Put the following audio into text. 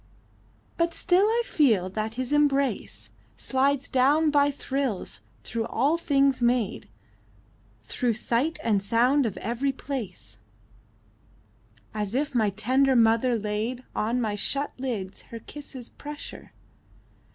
But still I feel that His embrace Slides down by thrills, through all things made, Through sight and sound of every place: As if my tender mother laid On my shut lids, her kisses' pressure.